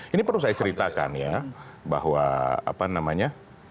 ini perlu saya ceritakan ya bahwa apa namanya